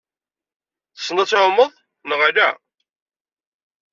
Tessneḍ ad tɛummeḍ, neɣ ala?